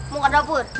mau ke dapur